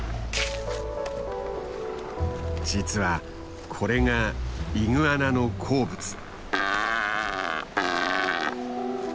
実はこれがイグアナの好物。